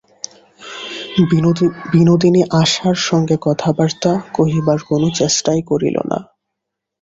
বিনোদিনী আশার সঙ্গে কথাবার্তা কহিবার কোনো চেষ্টাই করিল না।